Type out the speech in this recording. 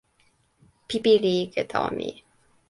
pipi li ike tawa mi.